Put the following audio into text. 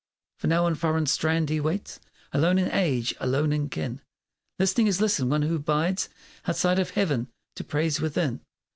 For now on foreign strand he waits Alone in age alone in kin, Listening as listens one who bides Outside of Heaven, to praise within.